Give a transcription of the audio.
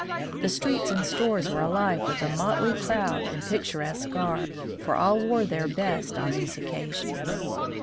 The streets and stores were alive with a motley crowd in picturesque garb, for all wore their best on these occasions.